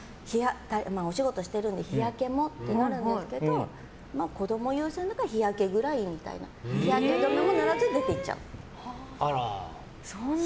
お仕事してるので日焼けもってなるんですけど子供優先だし日焼けぐらいって日焼け止めも塗らず出て行っちゃう。